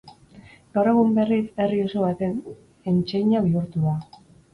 Gaur egun, berriz, herri oso baten entseina bihurtu da.